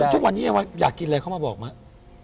แล้วทุกวันนี้อยากกินอะไรเขามาบอกมั้ย